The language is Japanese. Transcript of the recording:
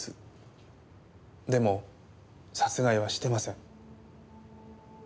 でも殺害はしてません。